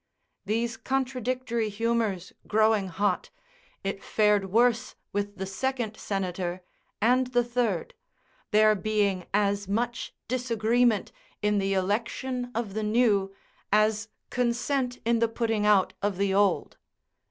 These contradictory humours growing hot, it fared worse with the second senator and the third, there being as much disagreement in the election of the new, as consent in the putting out of the old.